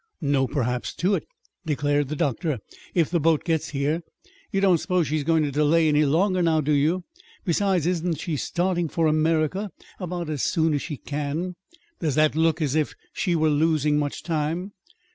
"No 'perhaps' to it," declared the doctor, "if the boat gets here. You don't suppose she's going to delay any longer now, do you? Besides, isn't she starting for America about as soon as she can? Does that look as if she were losing much time?"